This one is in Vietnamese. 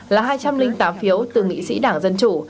là hai trăm linh tám phiếu từ nghị sĩ đảng dân chủ